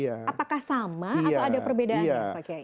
apakah sama atau ada perbedaan